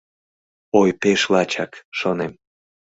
«Ой, пеш лачак, — шонем.